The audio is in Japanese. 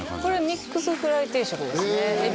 ミックスフライ定食ですねへえ